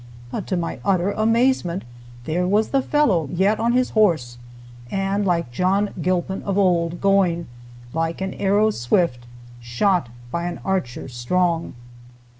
But to my utter amazement, there was the fellow yet on his horse, and, like John Gilpin of old, going, "Like an arrow swift Shot by an archer strong."